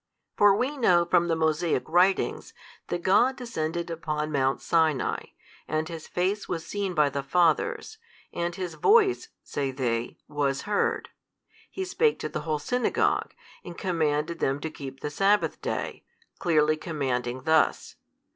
For we know from the Mosaic writings that God descended upon Mount Sinai, and His Face was seen by the fathers, and His Voice (say they) was heard: He spake to the whole Synagogue, and commanded them to keep the Sabbath Day, clearly commanding thus.